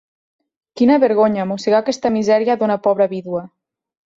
Quina vergonya mossegar aquesta misèria d'una pobra vídua!